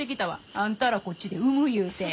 あんたらこっちで産む言うて。